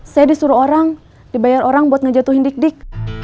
saya disuruh orang dibayar orang buat ngejatuhin dik dik